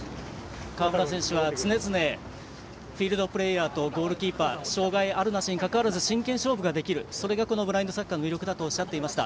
川村選手は、常々フィールドプレーヤーとゴールキーパー障がいあるなしに関わらず真剣勝負ができるそれがこのブラインドサッカーの魅力だとおっしゃいました。